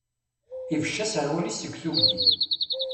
Ibecc aserwal-is seg tugdi.